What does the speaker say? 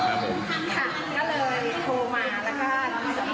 ครับก็เลยโทรมาแล้วก็ยียะมีการได้ยรดิใจมั้ยครับคุณหุ่นนี้